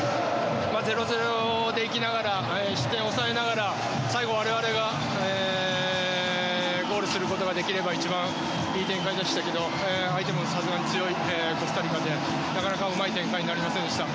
０−０で行きながら失点を抑えながら最後、我々がゴールすることができれば一番いい展開でしたけど相手もさすがに強いコスタリカでなかなかうまい展開になりませんでした。